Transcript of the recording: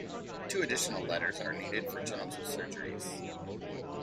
Two additional letters are needed for genital surgeries.